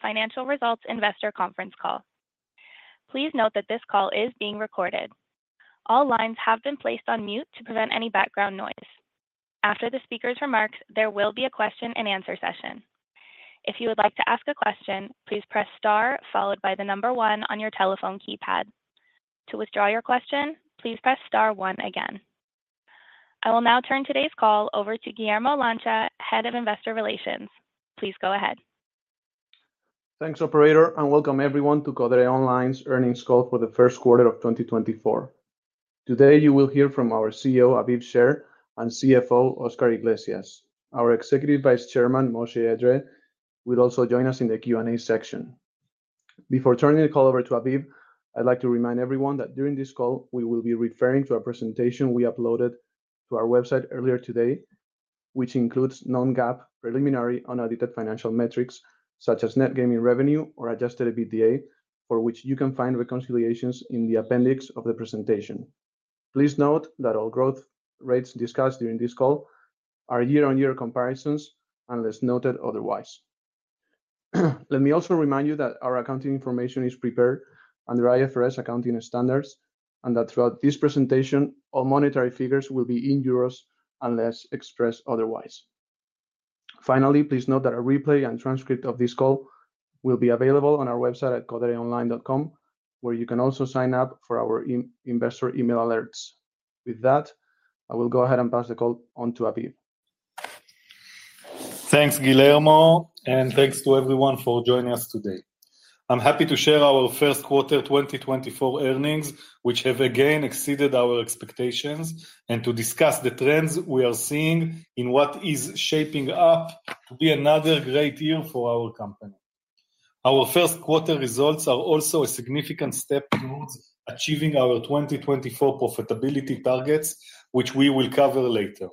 Financial Results Investor Conference Call. Please note that this call is being recorded. All lines have been placed on mute to prevent any background noise. After the speaker's remarks, there will be a question and answer session. If you would like to ask a question, please press star followed by the number one on your telephone keypad. To withdraw your question, please press star one again. I will now turn today's call over to Guillermo Lancha, Head of Investor Relations. Please go ahead. Thanks, operator, and welcome everyone to Codere Online's earnings call for the first quarter of 2024. Today, you will hear from our CEO, Aviv Sher, and CFO, Oscar Iglesias. Our Executive Vice Chairman, Moshe Edree, will also join us in the Q&A section. Before turning the call over to Aviv, I'd like to remind everyone that during this call, we will be referring to a presentation we uploaded to our website earlier today, which includes non-GAAP preliminary, unaudited financial metrics, such as net gaming revenue or adjusted EBITDA, for which you can find reconciliations in the appendix of the presentation. Please note that all growth rates discussed during this call are year-on-year comparisons, unless noted otherwise. Let me also remind you that our accounting information is prepared under IFRS accounting standards, and that throughout this presentation, all monetary figures will be in euros unless expressed otherwise. Finally, please note that a replay and transcript of this call will be available on our website at codereonline.com, where you can also sign up for our investor email alerts. With that, I will go ahead and pass the call on to Aviv. Thanks, Guillermo, and thanks to everyone for joining us today. I'm happy to share our first quarter 2024 earnings, which have again exceeded our expectations, and to discuss the trends we are seeing in what is shaping up to be another great year for our company. Our first quarter results are also a significant step towards achieving our 2024 profitability targets, which we will cover later.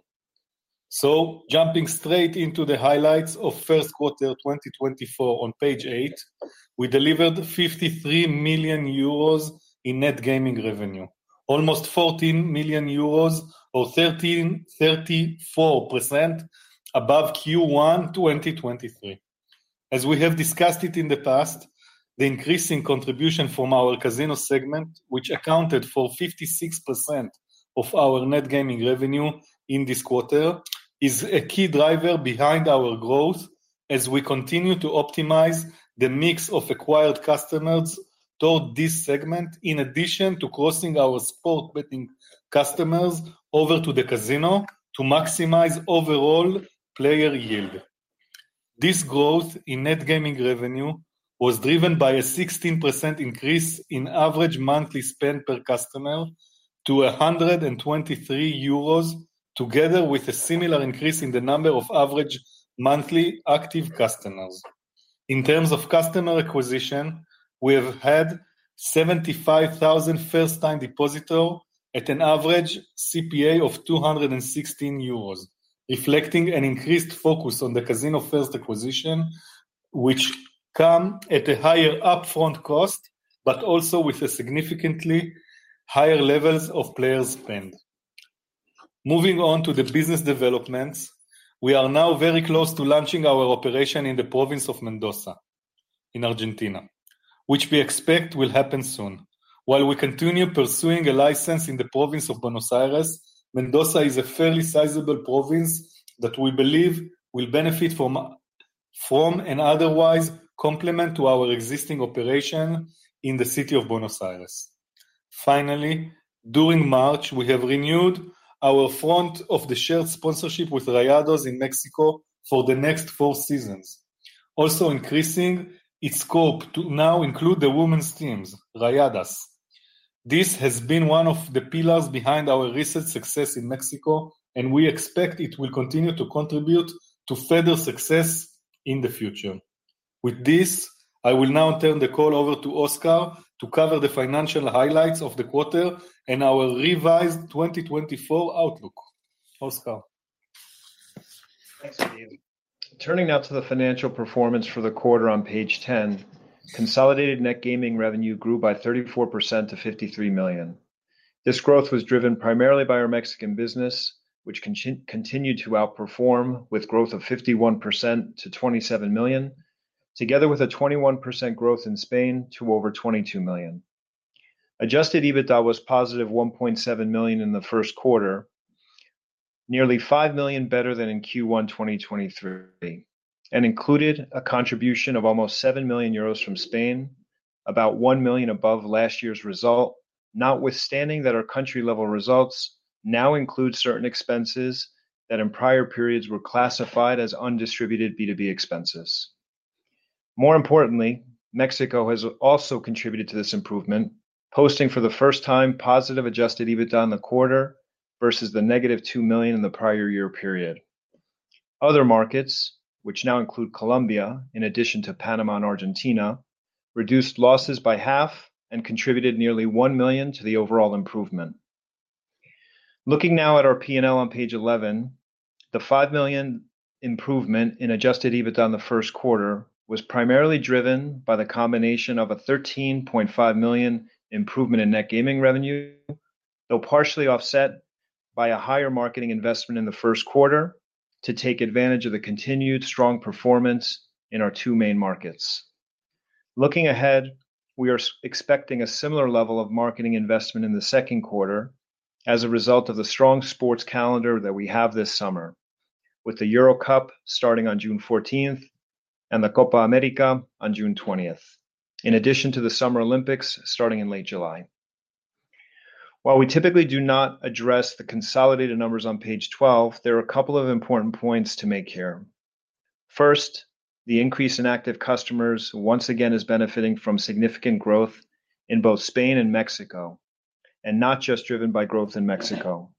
Jumping straight into the highlights of first quarter 2024 on page eight, we delivered 53 million euros in net gaming revenue, almost 14 million euros or 34% above Q1 2023. As we have discussed it in the past, the increasing contribution from our casino segment, which accounted for 56% of our net gaming revenue in this quarter, is a key driver behind our growth as we continue to optimize the mix of acquired customers toward this segment, in addition to crossing our sports betting customers over to the casino to maximize overall player yield. This growth in net gaming revenue was driven by a 16% increase in average monthly spend per customer to 123 euros, together with a similar increase in the number of average monthly active customers. In terms of customer acquisition, we have had 75,000 first-time depositor at an average CPA of 216 euros, reflecting an increased focus on the casino-first acquisition, which come at a higher upfront cost, but also with a significantly higher levels of player spend. Moving on to the business developments, we are now very close to launching our operation in the province of Mendoza, in Argentina, which we expect will happen soon. While we continue pursuing a license in the province of Buenos Aires, Mendoza is a fairly sizable province that we believe will benefit from and otherwise complement to our existing operation in the city of Buenos Aires. Finally, during March, we have renewed our front of the shirt sponsorship with Rayados in Mexico for the next four seasons, also increasing its scope to now include the women's teams, Rayadas. This has been one of the pillars behind our recent success in Mexico, and we expect it will continue to contribute to further success in the future. With this, I will now turn the call over to Oscar to cover the financial highlights of the quarter and our revised 2024 outlook. Oscar? Thanks, Aviv. Turning now to the financial performance for the quarter on page 10, consolidated net gaming revenue grew by 34% to 53 million. This growth was driven primarily by our Mexican business, which continued to outperform with growth of 51% to 27 million, together with a 21% growth in Spain to over 22 million. Adjusted EBITDA was positive 1.7 million in the first quarter, nearly 5 million better than in Q1 2023, and included a contribution of almost 7 million euros from Spain, about 1 million above last year's result, notwithstanding that our country level results now include certain expenses that in prior periods were classified as undistributed B2B expenses. More importantly, Mexico has also contributed to this improvement, posting for the first time positive adjusted EBITDA in the quarter versus the negative 2 million in the prior year period. Other markets, which now include Colombia, in addition to Panama and Argentina, reduced losses by half and contributed nearly 1 million to the overall improvement. Looking now at our P&L on page 11, the 5 million improvement in Adjusted EBITDA in the first quarter was primarily driven by the combination of a 13.5 million improvement in Net Gaming Revenue, though partially offset by a higher marketing investment in the first quarter to take advantage of the continued strong performance in our two main markets. Looking ahead, we are expecting a similar level of marketing investment in the second quarter as a result of the strong sports calendar that we have this summer, with the Euro Cup starting on June 14th and the Copa America on June 20th, in addition to the Summer Olympics starting in late July. While we typically do not address the consolidated numbers on page 12, there are a couple of important points to make here. First, the increase in active customers once again is benefiting from significant growth in both Spain and Mexico, and not just driven by growth in Mexico.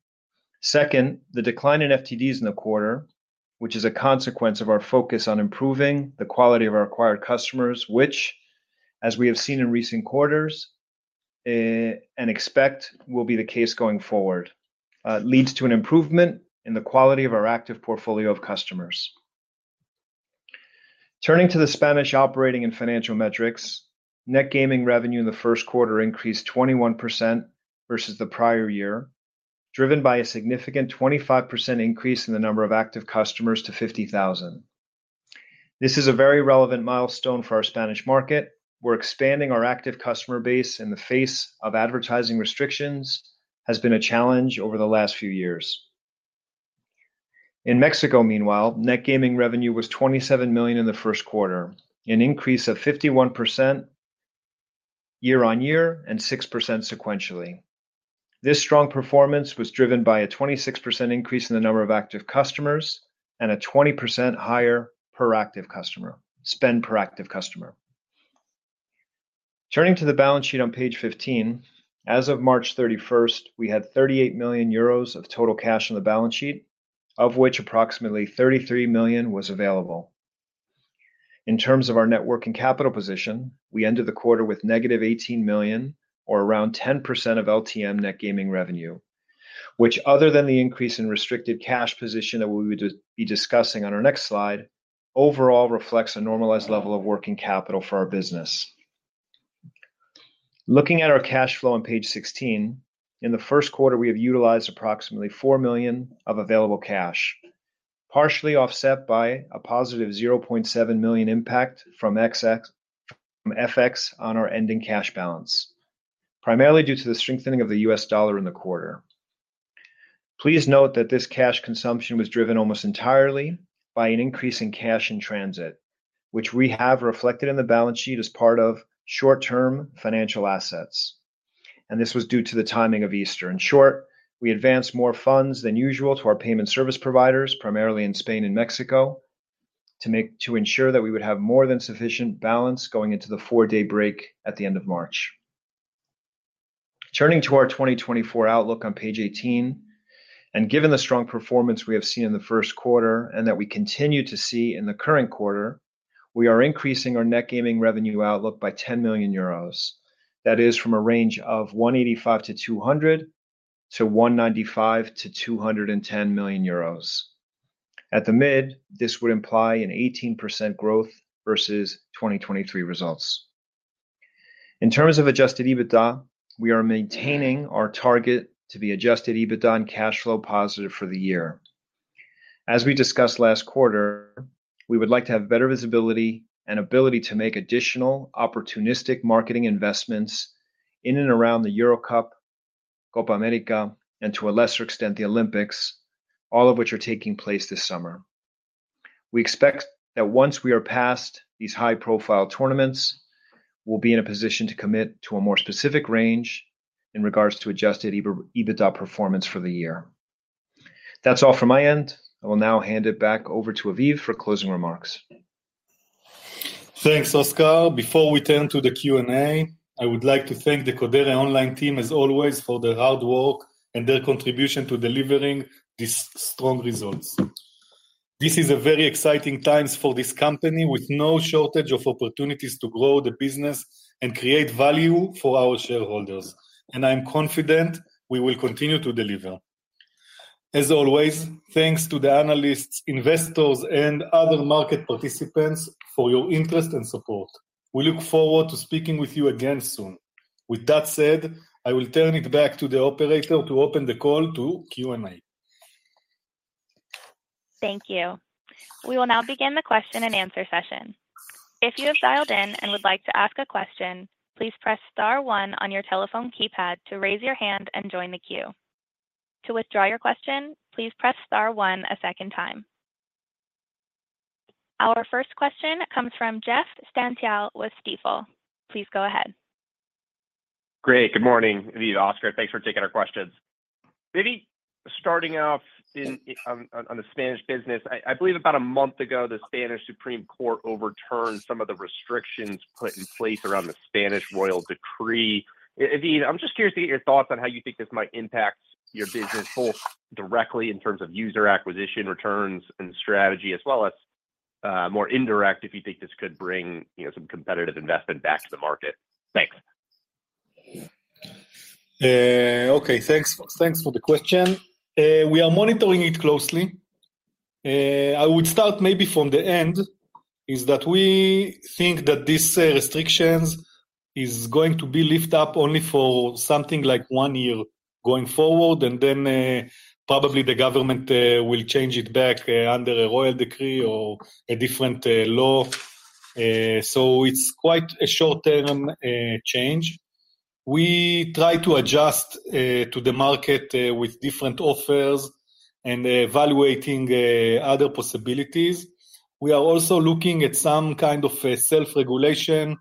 Second, the decline in FTDs in the quarter, which is a consequence of our focus on improving the quality of our acquired customers, which, as we have seen in recent quarters, and expect will be the case going forward, leads to an improvement in the quality of our active portfolio of customers. Turning to the Spanish operating and financial metrics, Net Gaming Revenue in the first quarter increased 21% versus the prior year, driven by a significant 25% increase in the number of active customers to 50,000. This is a very relevant milestone for our Spanish market. We're expanding our active customer base, and the face of advertising restrictions has been a challenge over the last few years. In Mexico, meanwhile, net gaming revenue was 27 million in the first quarter, an increase of 51% year-on-year and 6% sequentially. This strong performance was driven by a 26% increase in the number of active customers and a 20% higher per active customer spend per active customer. Turning to the balance sheet on page 15, as of March 31, we had 38 million euros of total cash on the balance sheet, of which approximately 33 million was available. In terms of our net working capital position, we ended the quarter with -18 million, or around 10% of LTM net gaming revenue, which, other than the increase in restricted cash position that we will be discussing on our next slide, overall reflects a normalized level of working capital for our business. Looking at our cash flow on page 16, in the first quarter, we have utilized approximately 4 million of available cash, partially offset by a positive 0.7 million impact from FX on our ending cash balance, primarily due to the strengthening of the US dollar in the quarter. Please note that this cash consumption was driven almost entirely by an increase in cash in transit, which we have reflected in the balance sheet as part of short-term financial assets, and this was due to the timing of Easter. In short, we advanced more funds than usual to our payment service providers, primarily in Spain and Mexico, to ensure that we would have more than sufficient balance going into the four-day break at the end of March. Turning to our 2024 outlook on page 18, and given the strong performance we have seen in the first quarter and that we continue to see in the current quarter, we are increasing our net gaming revenue outlook by 10 million euros. That is from a range of 185 million-200 million to 195 million-210 million euros. At the mid, this would imply an 18% growth versus 2023 results. In terms of Adjusted EBITDA, we are maintaining our target to be Adjusted EBITDA and cash flow positive for the year. As we discussed last quarter, we would like to have better visibility and ability to make additional opportunistic marketing investments in and around the Euro Cup, Copa America, and to a lesser extent, the Olympics, all of which are taking place this summer. We expect that once we are past these high-profile tournaments, we'll be in a position to commit to a more specific range in regards to adjusted EBITDA performance for the year. That's all from my end. I will now hand it back over to Aviv for closing remarks. Thanks, Oscar. Before we turn to the Q&A, I would like to thank the Codere Online team, as always, for their hard work and their contribution to delivering these strong results. This is a very exciting times for this company, with no shortage of opportunities to grow the business and create value for our shareholders, and I'm confident we will continue to deliver. As always, thanks to the analysts, investors, and other market participants for your interest and support. We look forward to speaking with you again soon. With that said, I will turn it back to the operator to open the call to Q&A. Thank you. We will now begin the question and answer session. If you have dialed in and would like to ask a question, please press star one on your telephone keypad to raise your hand and join the queue. To withdraw your question, please press star one a second time. Our first question comes from Jeffrey Stantial with Stifel. Please go ahead. Great. Good morning, Aviv, Oscar. Thanks for taking our questions. Maybe starting off on the Spanish business, I believe about a month ago, the Spanish Supreme Court overturned some of the restrictions put in place around the Spanish royal decree. Aviv, I'm just curious to get your thoughts on how you think this might impact your business, both directly in terms of user acquisition, returns, and strategy, as well as more indirect, if you think this could bring, you know, some competitive investment back to the market. Thanks. Okay. Thanks, thanks for the question. We are monitoring it closely. I would start maybe from the end, is that we think that these restrictions is going to be lifted up only for something like one year going forward, and then probably the government will change it back under a royal decree or a different law. So it's quite a short-term change. We try to adjust to the market with different offers and evaluating other possibilities. We are also looking at some kind of a self-regulation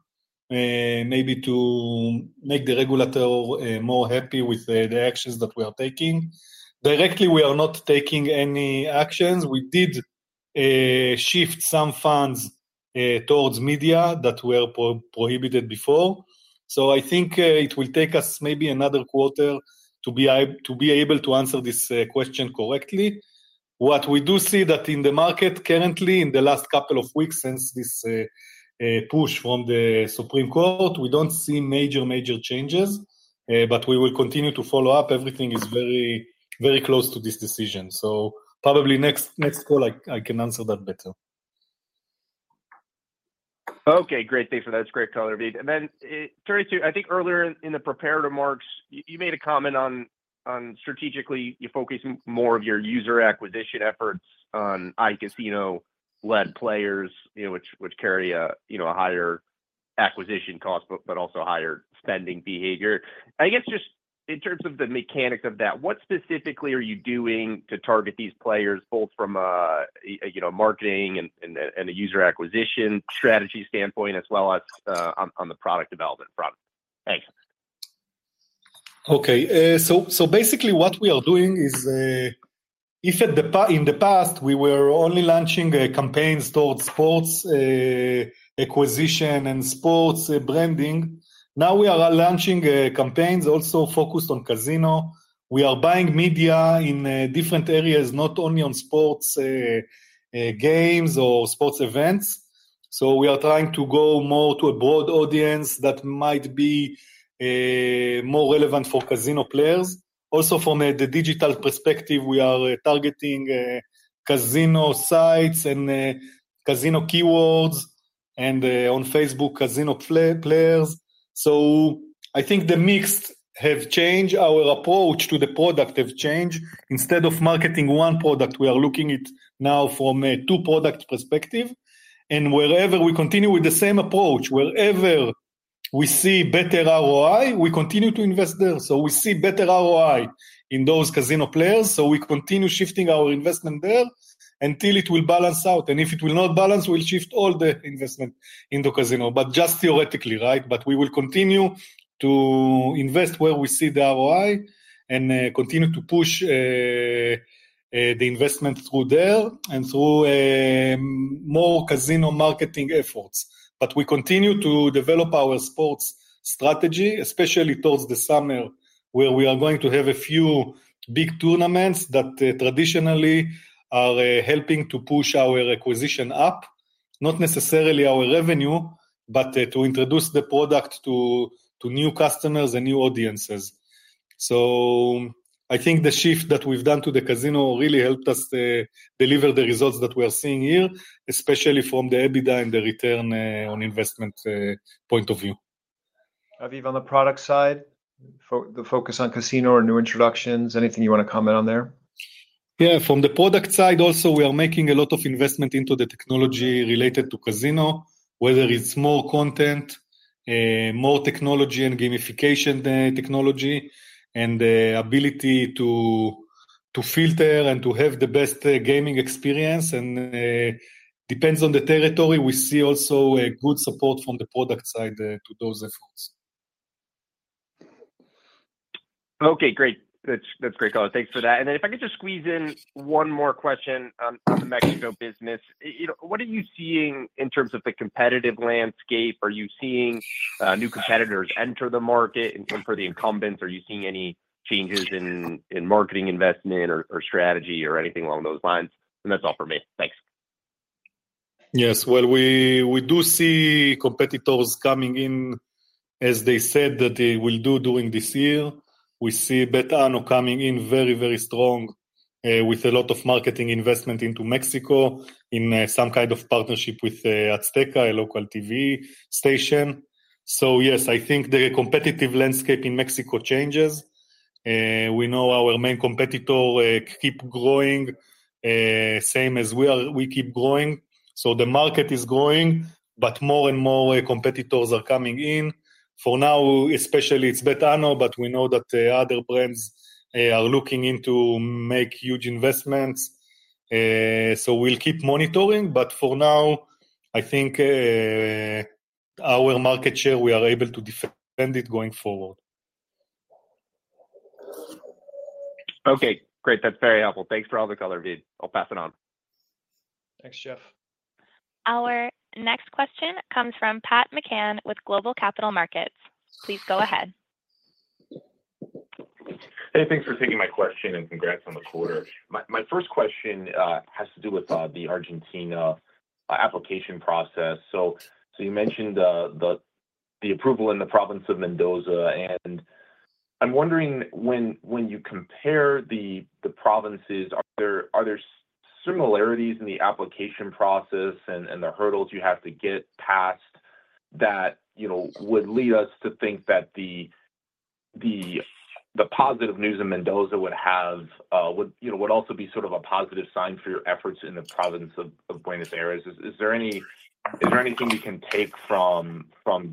maybe to make the regulator more happy with the actions that we are taking. Directly, we are not taking any actions. We did shift some funds towards media that were prohibited before. So I think it will take us maybe another quarter to be able to answer this question correctly. What we do see that in the market currently, in the last couple of weeks, since this push from the Supreme Court, we don't see major, major changes, but we will continue to follow up. Everything is very, very close to this decision. So probably next, next call, I can answer that better. Okay, great. Thanks for that. It's great color. And then, turning to, I think earlier in, in the prepared remarks, you, you made a comment on, on strategically, you're focusing more of your user acquisition efforts on iCasino-led players, you know, which, which carry a, you know, a higher acquisition cost, but, but also higher spending behavior. I guess just in terms of the mechanics of that, what specifically are you doing to target these players, both from, you know, marketing and, and a, and a user acquisition strategy standpoint, as well as, on, on the product development front? Thanks. Okay. So basically what we are doing is, if in the past, we were only launching campaigns towards sports acquisition and sports branding. Now, we are launching campaigns also focused on casino. We are buying media in different areas, not only on sports games or sports events. So we are trying to go more to a broad audience that might be more relevant for casino players. Also, from the digital perspective, we are targeting casino sites and casino keywords, and on Facebook, casino players. So I think the mix have changed, our approach to the product have changed. Instead of marketing one product, we are looking at now from a two-product perspective, and wherever we continue with the same approach, wherever we see better ROI, we continue to invest there. So we see better ROI in those casino players, so we continue shifting our investment there until it will balance out, and if it will not balance, we'll shift all the investment in the casino. But just theoretically, right? But we will continue to invest where we see the ROI and continue to push the investment through there and through more casino marketing efforts. But we continue to develop our sports strategy, especially towards the summer, where we are going to have a few big tournaments that traditionally are helping to push our acquisition up, not necessarily our revenue, but to introduce the product to new customers and new audiences. I think the shift that we've done to the casino really helped us deliver the results that we are seeing here, especially from the EBITDA and the return on investment point of view. Aviv, on the product side, the focus on casino or new introductions, anything you wanna comment on there? Yeah, from the product side also, we are making a lot of investment into the technology related to casino, whether it's more content, more technology and gamification, and the ability to filter and to have the best gaming experience. And, depends on the territory, we see also a good support from the product side to those efforts. Okay, great. That's, that's great, Color. Thanks for that. And then if I could just squeeze in one more question on, on the Mexico business. You know, what are you seeing in terms of the competitive landscape? Are you seeing new competitors enter the market? And for the incumbents, are you seeing any changes in, in marketing investment or, or strategy or anything along those lines? And that's all for me. Thanks. Yes. Well, we do see competitors coming in, as they said that they will do during this year. We see Betano coming in very, very strong, with a lot of marketing investment into Mexico, in some kind of partnership with Azteca, a local TV station. So yes, I think the competitive landscape in Mexico changes. We know our main competitor keep growing, same as we are, we keep growing. So the market is growing, but more and more competitors are coming in. For now, especially, it's Betano, but we know that other brands are looking into make huge investments. So we'll keep monitoring, but for now, I think our market share, we are able to defend it going forward. Okay, great. That's very helpful. Thanks for all the color, Aviv. I'll pass it on. Thanks, Jeff. Our next question comes from Pat McCann with Noble Capital Markets. Please go ahead. Hey, thanks for taking my question, and congrats on the quarter. My first question has to do with the Argentine application process. So you mentioned the approval in the province of Mendoza, and I'm wondering when you compare the provinces, are there similarities in the application process and the hurdles you have to get past that, you know, would lead us to think that the positive news in Mendoza would have, you know, would also be sort of a positive sign for your efforts in the province of Buenos Aires? Is there anything we can take from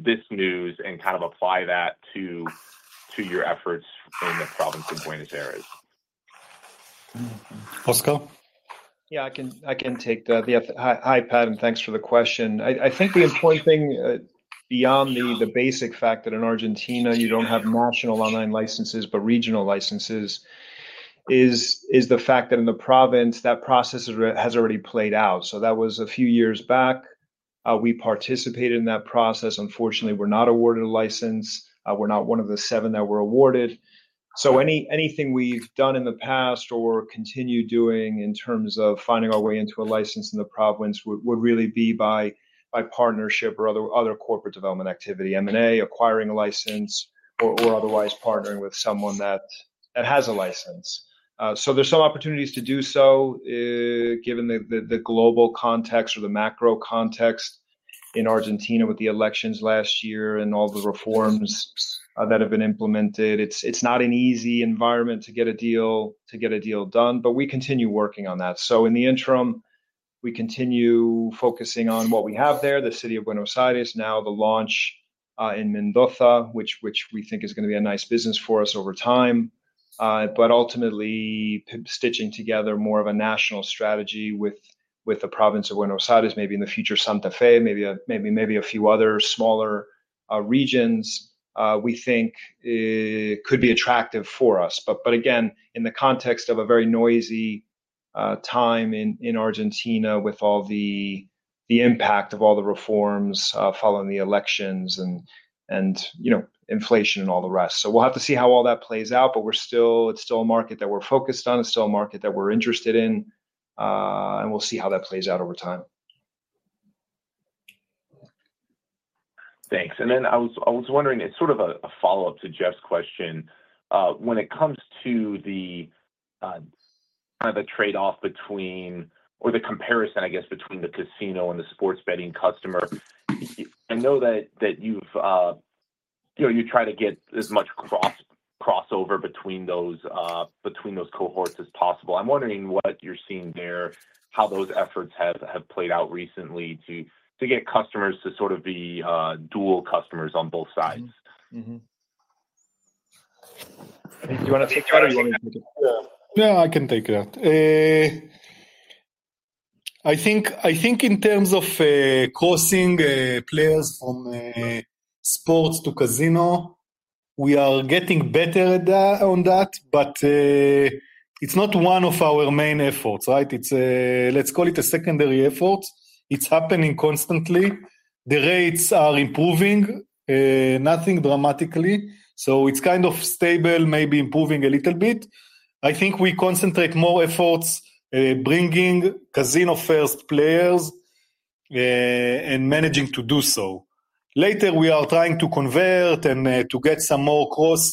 this news and kind of apply that to your efforts in the province of Buenos Aires? Oscar? Yeah, I can take that. Yeah. Hi, Pat, and thanks for the question. I think the important thing, beyond the basic fact that in Argentina you don't have national online licenses, but regional licenses, is the fact that in the province, that process has already played out. So that was a few years back. We participated in that process. Unfortunately, we're not awarded a license. We're not one of the seven that were awarded. So anything we've done in the past or continue doing in terms of finding our way into a license in the province, would really be by partnership or other corporate development activity, M&A, acquiring a license or otherwise partnering with someone that has a license. So there's some opportunities to do so, given the global context or the macro context in Argentina with the elections last year and all the reforms that have been implemented. It's not an easy environment to get a deal, to get a deal done, but we continue working on that. So in the interim, we continue focusing on what we have there, the city of Buenos Aires, now the launch in Mendoza, which we think is gonna be a nice business for us over time. But ultimately, stitching together more of a national strategy with the province of Buenos Aires, maybe in the future, Santa Fe, maybe a few other smaller regions, we think it could be attractive for us. But again, in the context of a very noisy time in Argentina, with all the impact of all the reforms following the elections and, you know, inflation and all the rest. So we'll have to see how all that plays out, but we're still—it's still a market that we're focused on. It's still a market that we're interested in, and we'll see how that plays out over time. Thanks. And then I was wondering, it's sort of a follow-up to Jeff's question. When it comes to the kind of a trade-off between... or the comparison, I guess, between the casino and the sports betting customer, I know that you've you know, you try to get as much crossover between those between those cohorts as possible. I'm wondering what you're seeing there, how those efforts have played out recently to get customers to sort of be dual customers on both sides. Mm-hmm. Mm-hmm. Do you wanna take that or you want me to- Yeah, I can take that. I think, I think in terms of, crossing, players from, sports to casino, we are getting better at that, on that, but, it's not one of our main efforts, right? It's a... let's call it a secondary effort. It's happening constantly. The rates are improving, nothing dramatically, so it's kind of stable, maybe improving a little bit. I think we concentrate more efforts, bringing casino-first players, and managing to do so. Later, we are trying to convert and, to get some more cross,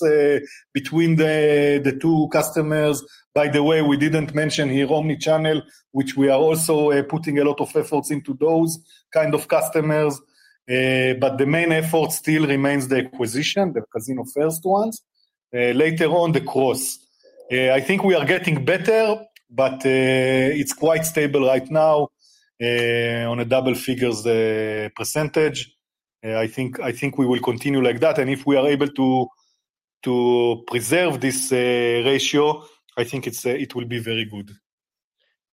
between the, the two customers. By the way, we didn't mention here Omni-channel, which we are also, putting a lot of efforts into those kind of customers. But the main effort still remains the acquisition, the casino-first ones, later on, the cross. I think we are getting better, but it's quite stable right now on a double figures percentage. I think we will continue like that, and if we are able to preserve this ratio, I think it will be very good.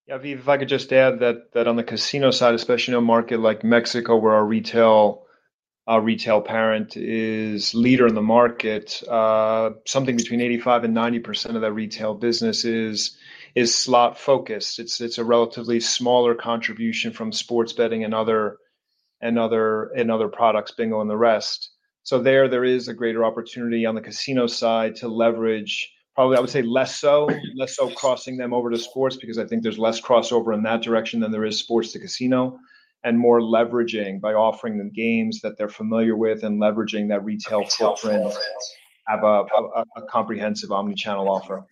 Yeah, Aviv, if I could just add that, that on the casino side, especially in a market like Mexico, where our retail parent is leader in the market, something between 85% and 90% of that retail business is slot focused. It's a relatively smaller contribution from sports betting and other products, bingo and the rest. So there is a greater opportunity on the casino side to leverage. Probably, I would say less so crossing them over to sports, because I think there's less crossover in that direction than there is sports to casino, and more leveraging by offering them games that they're familiar with and leveraging that retail footprint, have a comprehensive omni-channel offer.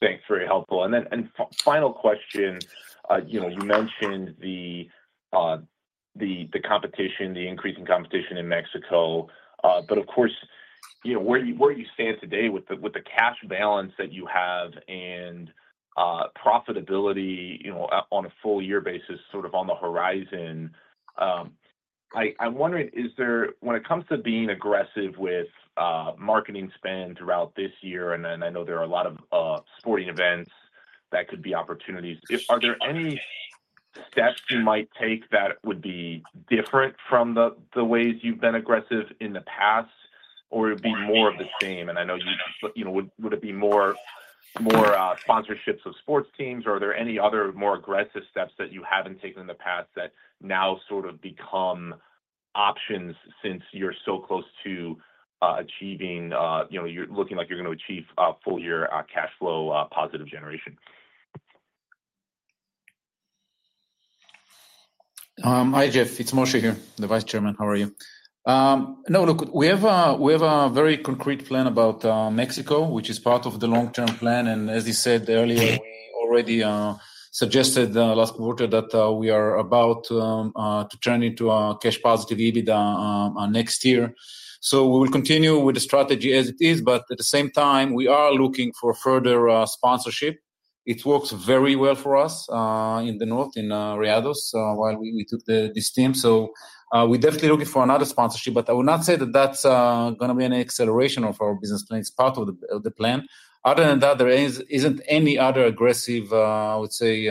Thanks. Very helpful. And then, final question, you know, you mentioned the competition, the increase in competition in Mexico, but of course, you know, where you stand today with the cash balance that you have and profitability, you know, on a full year basis, sort of on the horizon, I'm wondering, when it comes to being aggressive with marketing spend throughout this year, and then I know there are a lot of sporting events that could be opportunities, are there any steps you might take that would be different from the ways you've been aggressive in the past, or it would be more of the same? And I know you... But, you know, would it be more sponsorships of sports teams, or are there any other more aggressive steps that you haven't taken in the past that now sort of become options since you're so close to achieving, you know, you're looking like you're gonna achieve full year cash flow positive generation? Hi, Jeff, it's Moshe here, the vice chairman. How are you? No, look, we have a very concrete plan about Mexico, which is part of the long-term plan, and as you said earlier, we already suggested last quarter that we are about to turn into a cash positive EBITDA next year. So we will continue with the strategy as it is, but at the same time, we are looking for further sponsorship. It works very well for us in the north, in Rayados, while we took this team. So, we're definitely looking for another sponsorship, but I would not say that that's gonna be an acceleration of our business plan. It's part of the plan. Other than that, there isn't any other aggressive, I would say,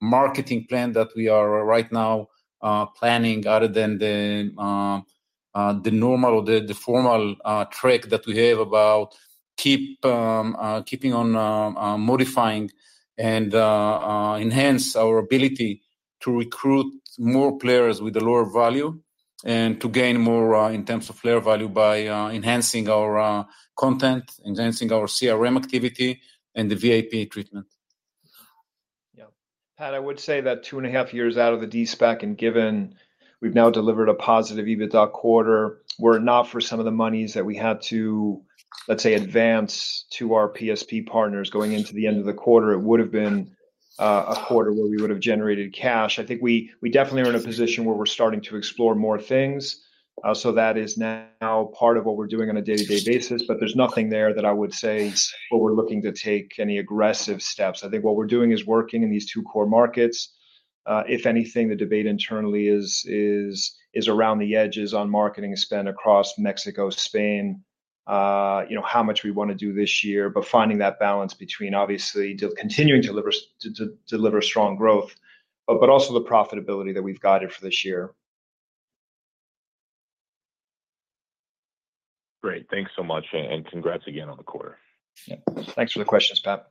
marketing plan that we are right now planning other than the normal or the formal track that we have about keeping on modifying and enhancing our ability to recruit more players with a lower value, and to gain more in terms of player value by enhancing our content, enhancing our CRM activity and the VIP treatment. Yeah. Pat, I would say that two and half years out of the de-SPAC, and given we've now delivered a positive EBITDA quarter, were it not for some of the monies that we had to, let's say, advance to our PSP partners going into the end of the quarter, it would have been a quarter where we would have generated cash. I think we definitely are in a position where we're starting to explore more things. So that is now part of what we're doing on a day-to-day basis, but there's nothing there that I would say where we're looking to take any aggressive steps. I think what we're doing is working in these two core markets. If anything, the debate internally is around the edges on marketing spend across Mexico, Spain, you know, how much we wanna do this year, but finding that balance between obviously continuing to deliver strong growth, but also the profitability that we've guided for this year. Great. Thanks so much, and congrats again on the quarter. Yeah. Thanks for the questions, Pat.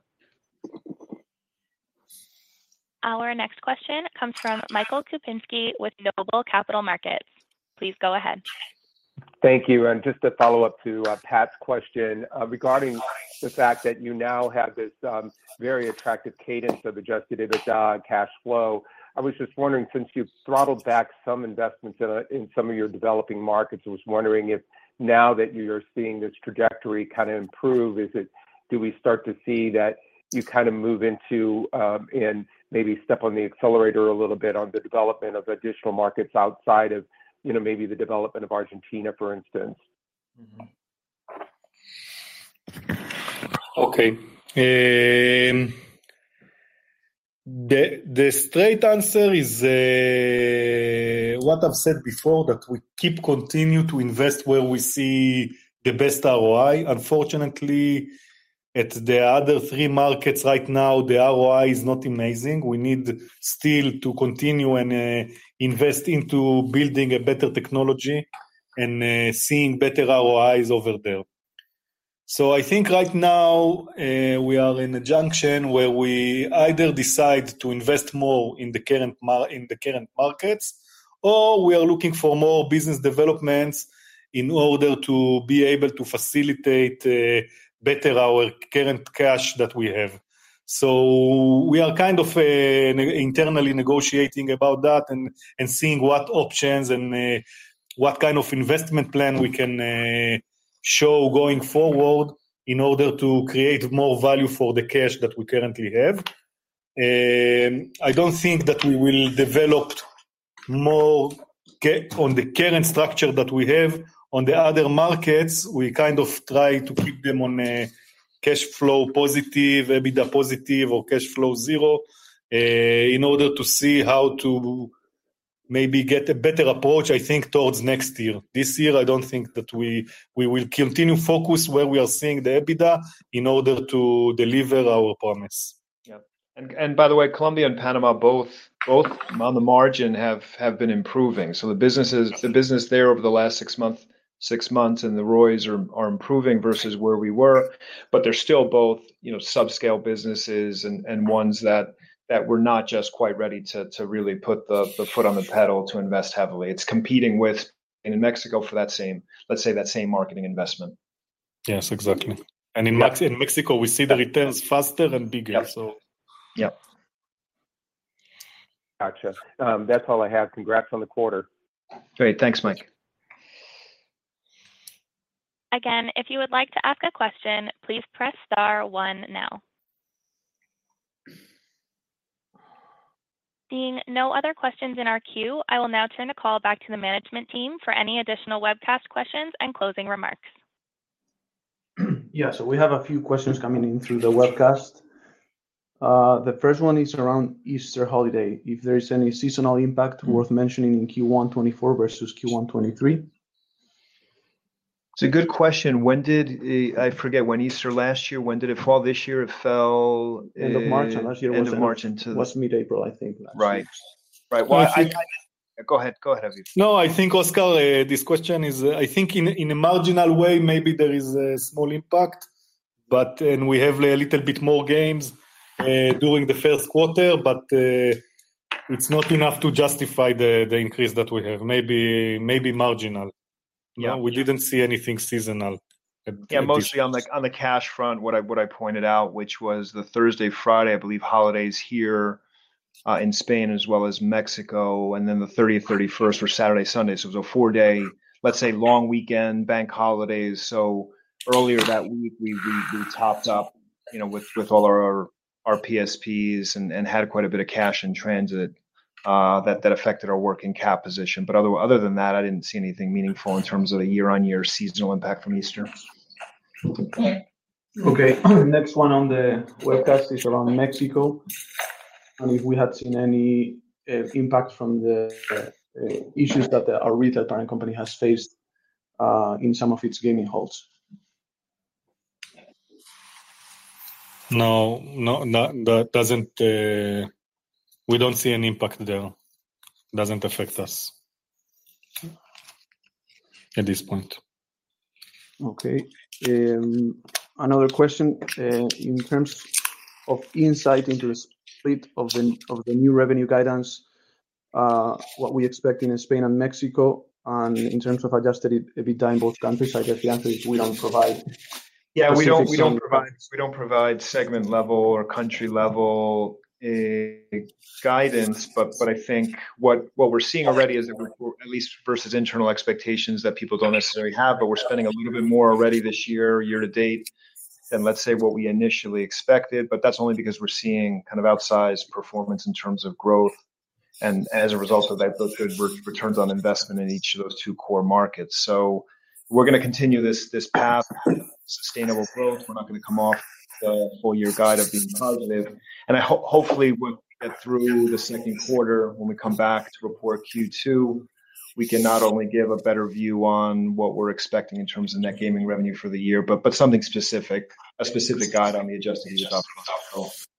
Our next question comes from Michael Kupinski with Noble Capital Markets. Please go ahead. Thank you, and just a follow-up to Pat's question. Regarding the fact that you now have this very attractive cadence of Adjusted EBITDA cash flow, I was just wondering, since you've throttled back some investments in some of your developing markets, I was wondering if now that you are seeing this trajectory kinda improve, do we start to see that you kinda move into, and maybe step on the accelerator a little bit on the development of additional markets outside of, you know, maybe the development of Argentina, for instance? Mm-hmm. Okay. The straight answer is what I've said before, that we keep continuing to invest where we see the best ROI. Unfortunately, at the other three markets right now, the ROI is not amazing. We need still to continue and invest into building a better technology and seeing better ROIs over there. So I think right now we are in a junction where we either decide to invest more in the current markets, or we are looking for more business developments in order to be able to facilitate better our current cash that we have. So we are kind of internally negotiating about that and seeing what options and what kind of investment plan we can show going forward in order to create more value for the cash that we currently have. I don't think that we will develop more on the current structure that we have on the other markets. We kind of try to keep them on a cash flow positive, EBITDA positive or cash flow zero, in order to see how to maybe get a better approach, I think, towards next year. This year, I don't think that we will continue focus where we are seeing the EBITDA in order to deliver our promise. Yeah. By the way, Colombia and Panama, both on the margin have been improving. So the businesses there over the last six months, and the ROIs are improving versus where we were, but they're still both, you know, subscale businesses and ones that we're not just quite ready to really put the foot on the pedal to invest heavily. It's competing with... in Mexico for that same, let's say, that same marketing investment. Yes, exactly. And in Mexico, we see the returns faster and bigger- Yeah... so. Yeah. Gotcha. That's all I have. Congrats on the quarter. Great. Thanks, Mike. Again, if you would like to ask a question, please press star one now. Seeing no other questions in our queue, I will now turn the call back to the management team for any additional webcast questions and closing remarks. Yeah, so we have a few questions coming in through the webcast. The first one is around Easter holiday, if there is any seasonal impact worth mentioning in Q1 2024 versus Q1 2023? It's a good question. When did, I forget, when Easter last year, when did it fall this year? It fell in- End of March, and last year- End of March, too.... was mid-April, I think. Right. Right. Well, No, I- Go ahead. Go ahead, Aviv... No, I think, Oscar, this question is, I think in, in a marginal way, maybe there is a small impact.... but and we have a little bit more games during the first quarter, but it's not enough to justify the, the increase that we have. Maybe, maybe marginal. Yeah. We didn't see anything seasonal at- Yeah, mostly on the cash front, what I pointed out, which was the Thursday, Friday, I believe, holidays here in Spain as well as Mexico, and then the 30th, 31st were Saturday, Sunday. So it was a four-day, let's say, long weekend, bank holidays. So earlier that week, we topped up, you know, with all our PSPs and had quite a bit of cash in transit that affected our working cap position. But other than that, I didn't see anything meaningful in terms of a year-on-year seasonal impact from Easter. Okay. The next one on the webcast is around Mexico, and if we had seen any impact from the issues that the retail parent company has faced in some of its gaming halls? No. No, not... That doesn't... We don't see an impact there. Doesn't affect us at this point. Okay. Another question, in terms of insight into the split of the, of the new revenue guidance, what we expecting in Spain and Mexico, and in terms of Adjusted EBITDA in both countries, I guess the answer is we don't provide- Yeah, we don't provide- specific- We don't provide segment level or country level guidance, but I think what we're seeing already is that we're at least versus internal expectations that people don't necessarily have, but we're spending a little bit more already this year to date than, let's say, what we initially expected. But that's only because we're seeing kind of outsized performance in terms of growth, and as a result of that, the good returns on investment in each of those two core markets. So we're gonna continue this path, sustainable growth. We're not gonna come off the full year guide of being positive. I hopefully, when we get through the second quarter, when we come back to report Q2, we can not only give a better view on what we're expecting in terms of Net Gaming Revenue for the year, but something specific, a specific guide on the Adjusted EBITDA.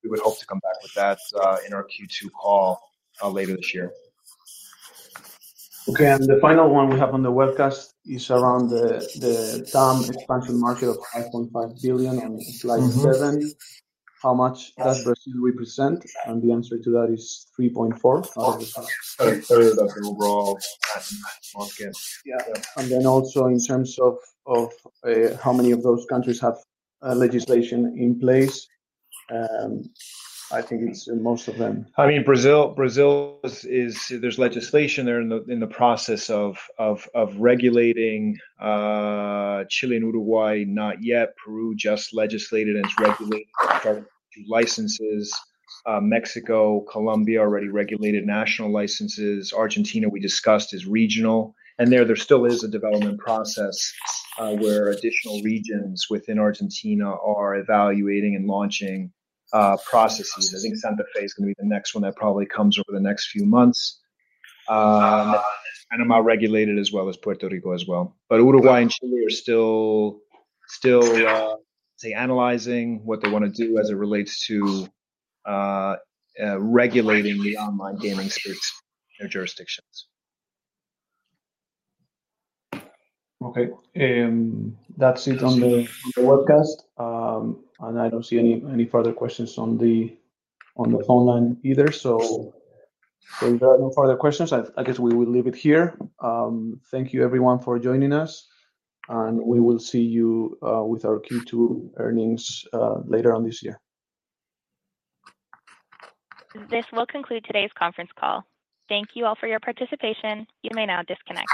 We would hope to come back with that, in our Q2 call, later this year. Okay. And the final one we have on the webcast is around the TAM expansion market of 5.5 billion on- Mm-hmm... slide seven. How much does Brazil represent? The answer to that is 3.4. Third of the overall market. Yeah. And then also in terms of how many of those countries have legislation in place, I think it's in most of them. I mean, Brazil is. There's legislation there in the process of regulating. Chile and Uruguay, not yet. Peru just legislated and is regulating licenses. Mexico, Colombia, already regulated national licenses. Argentina, we discussed, is regional. And there still is a development process where additional regions within Argentina are evaluating and launching processes. I think Santa Fe is gonna be the next one that probably comes over the next few months. And Panama is not regulated as well as Puerto Rico. But Uruguay and Chile are still analyzing what they wanna do as it relates to regulating the online gaming space in their jurisdictions. Okay. That's it on the webcast. And I don't see any further questions on the phone line either. So if there are no further questions, I guess we will leave it here. Thank you everyone for joining us, and we will see you with our Q2 earnings later on this year. This will conclude today's conference call. Thank you all for your participation. You may now disconnect.